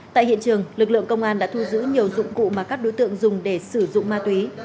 tại hiện trường lực lượng công an đã thu giữ nhiều dụng cụ mà các đối tượng dùng để sử dụng ma túy